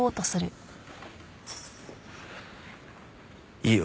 いいよ。